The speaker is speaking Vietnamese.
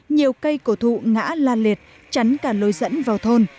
nhiều cây cổ thụ ngã lan liệt tránh cả lối dẫn vào thôn